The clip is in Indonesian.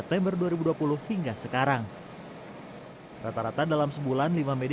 tidak ada yang taruh tangan sendiri